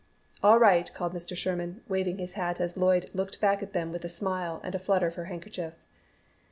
"All right," called Mr. Sherman, waving his hat as Lloyd looked back at them with a smile and a flutter of her handkerchief.